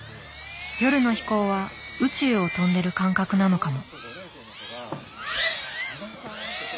夜の飛行は宇宙を飛んでる感覚なのかも。